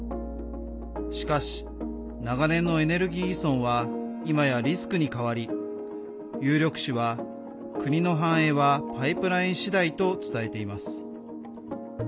しかし、長年のエネルギー依存はいまやリスクに変わり有力紙は国の繁栄はパイプライン次第と伝えています。